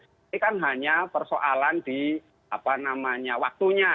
ini kan hanya persoalan di apa namanya waktunya